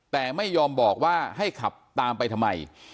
แต่ไม่ยอมบอกว่าให้ขับตามไปทำไม